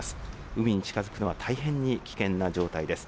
海に近づくのは大変に危険な状態です。